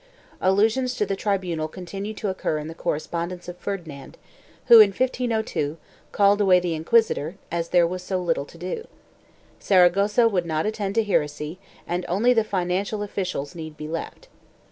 Allusions to the tribunal continue to occur in the correspondence of Ferdinand, who, in 1502, called away the inquisitor, as there was so little to do; Saragossa would attend to heresy and only the financial officials need be left.